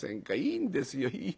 いいんですよ。